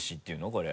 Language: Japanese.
これ。